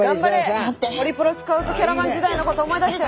ホリプロスカウトキャラバン時代のこと思い出して！